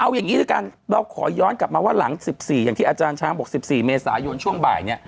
เอาอย่างนี้ด้วยกันเราขอย้อนกลับมาว่าหลัง๑๔อย่างที่อาจารย์ช้างบอก๑๔เมษายนช่วงบ่ายเนี่ย